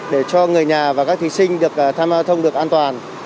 để cho người nhà và các thí sinh được tham gia giao thông được an toàn